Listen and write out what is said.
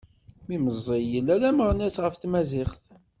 Mi meẓẓi yella d ameɣnas ɣef tmaziɣt.